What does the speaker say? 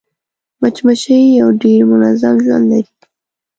مچمچۍ یو ډېر منظم ژوند لري